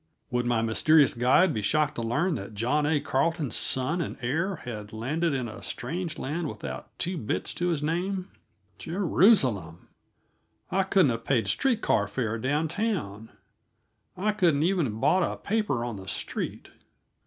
Would my mysterious guide be shocked to learn that John A. Carleton's son and heir had landed in a strange land without two bits to his name? Jerusalem! I couldn't have paid street car fare down town; I couldn't even have bought a paper on the street.